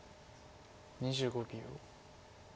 ２５秒。